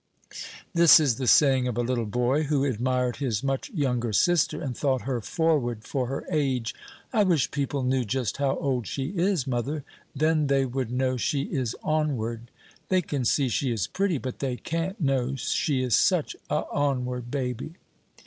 This is the saying of a little boy who admired his much younger sister, and thought her forward for her age: "I wish people knew just how old she is, mother, then they would know she is onward. They can see she is pretty, but they can't know she is such a onward baby."